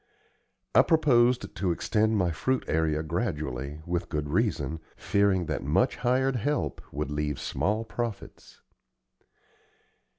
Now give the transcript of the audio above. I proposed to extend my fruit area gradually, with good reason, fearing that much hired help would leave small profits.